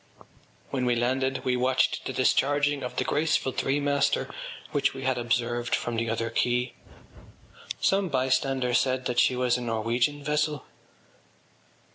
When we landed we watched the discharging of the graceful threemaster which we had observed from the other quay. Some bystander said that she was a Norwegian vessel.